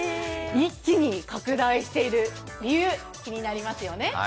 一気に拡大している理由、気になりますよね？